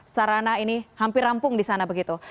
sarana ini hampir rampung di sana begitu